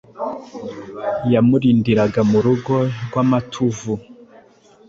yamurindiraga mu rugo rw’amatuvu,